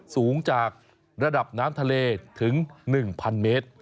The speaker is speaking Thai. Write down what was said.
สูงจากระดับน้ำทะเลถึง๑๐๐เมตร